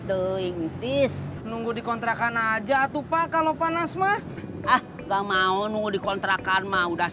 the intis nunggu dikontrakan aja tuh pak kalau panas mah ah nggak mau nunggu dikontrakan mah udah